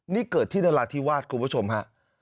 นี่เกิดที่นราธิวาสคุณผู้ชมฮะ